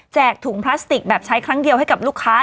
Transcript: ถุงพลาสติกแบบใช้ครั้งเดียวให้กับลูกค้า